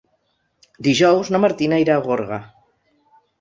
Dijous na Martina irà a Gorga.